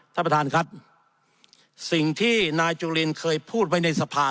ท่านประธานครับสิ่งที่นายจุลินเคยพูดไว้ในสภา